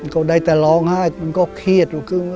ก็ได้แต่ร้องไห้มันก็เครียดอยู่